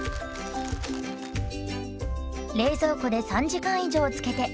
冷蔵庫で３時間以上漬けて完成です。